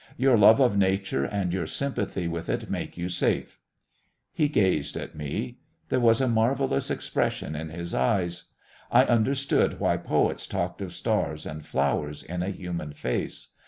"Your love of Nature and your sympathy with it make you safe." He gazed at me. There was a marvellous expression in his eyes. I understood why poets talked of stars and flowers in a human face.